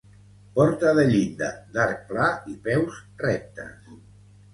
Porta de llinda d'arc pla i peus rectes.